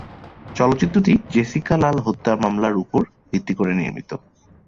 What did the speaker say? চলচ্চিত্রটি জেসিকা লাল হত্যা মামলার উপর ভিত্তি করে নির্মিত।